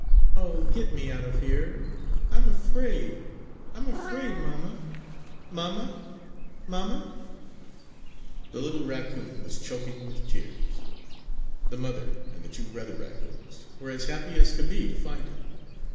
Oh, get me out of here! I'm afraid! I'm afraid! Mamma! Mamma! Mamma!" The little raccoon was choking with tears! The mother and the two brother raccoons were as happy as could be to find him!